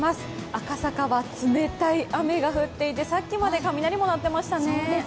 赤坂は冷たい雨が降っていて、さっきまで雷も鳴っていましたね。